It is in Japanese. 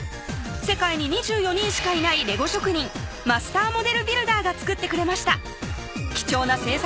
世界に２４人しかいないレゴ職人・マスターモデルビルダーが作ってくれました